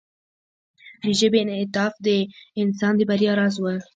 د ژبې انعطاف د انسان د بریا راز و.